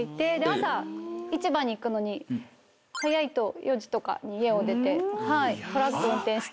朝市場に行くのに早いと４時とかに家を出てトラック運転して。